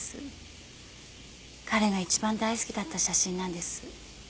彼が一番大好きだった写真なんです。